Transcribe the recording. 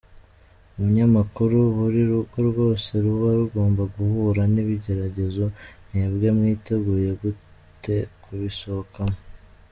Umunyamakuru: Buri rugo rwose ruba rugomba guhura n’ibigeragezo, mwebwe mwiteguye gute kubisohokamo?.